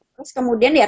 terus kemudian ya